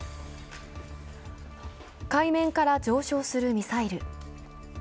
海面から上昇するミサイル。